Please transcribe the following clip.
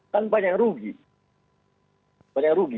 kan banyak yang rugi